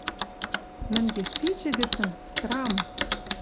Мӹнгеш пичӹ гӹцӹн — страм!